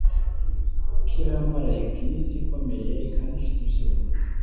Ko irambaraye ku isiikomeye kandi ifite ibyuma